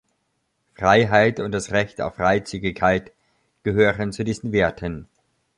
Freiheit und das Recht auf Freizügigkeit gehören zu diesen Werten.